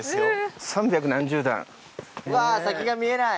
わあ先が見えない！